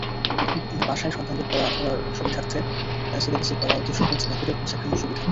বাসায় সন্তানদের পড়া ধরার সুবিধার্থে সিলেবাসের পড়া অতি সহজ মেথডে শেখানোর সুবিধা।